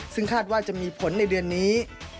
ซึ่งคาดว่าจะมีผลในเดือนนี้